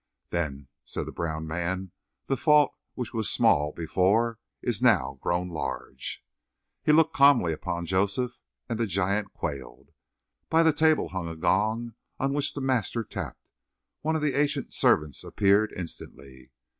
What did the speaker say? "Then," said the brown man, "the fault which was small before is now grown large." He looked calmly upon Joseph, and the giant quailed. By the table hung a gong on which the master tapped; one of the ancient servants appeared instantly.